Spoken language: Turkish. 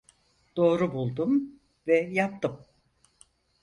Doğru buldum ve yaptım.